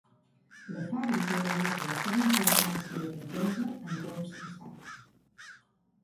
La fàbrica denota la seva importància i riquesa en temps passats.